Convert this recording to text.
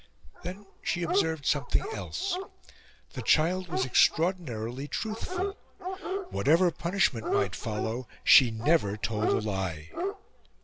Then she observed something else; the child was extraordinarily truthful; whatever punishment might follow, she never told a lie.